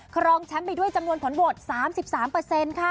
ครองแชมป์ไปด้วยจำนวนผลโหวต๓๓ค่ะ